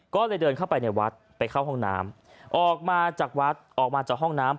ก็เลยเดินเข้าไปในวัดไปเข้าห้องน้ำออกมาจากวัดออกมาจากห้องน้ำ